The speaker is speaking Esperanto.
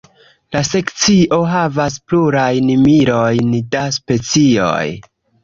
La sekcio havas plurajn milojn da specioj.